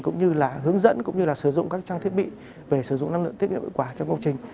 cũng như là hướng dẫn cũng như là sử dụng các trang thiết bị về sử dụng năng lượng tiết kiệm hiệu quả trong công trình